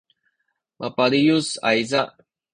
mabaliyus ayza